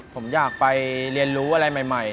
ผมอยากไปเรียนรู้อะไรใหม่